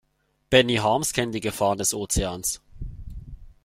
Benny Harms kennt die Gefahren des Ozeans.